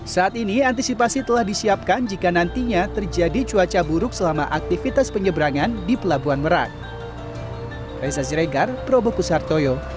saat ini antisipasi telah disiapkan jika nantinya terjadi cuaca buruk selama aktivitas penyeberangan di pelabuhan merak